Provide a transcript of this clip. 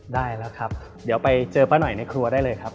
ได้แล้วครับเดี๋ยวไปเจอป้าหน่อยในครัวได้เลยครับ